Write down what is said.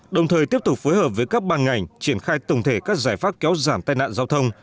đồng thời tiếp tục phối hợp với các ban ngành triển khai tổng thể các giải pháp kéo giảm tai nạn giao thông